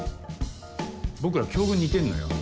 僕ら境遇似てんのよ。